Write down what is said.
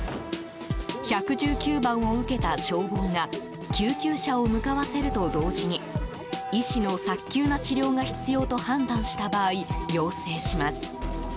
１１９番を受けた消防が救急車を向かわせると同時に医師の早急な治療が必要と判断した場合、要請します。